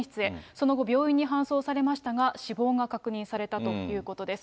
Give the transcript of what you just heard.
その後、病院に搬送されましたが、死亡が確認されたということです。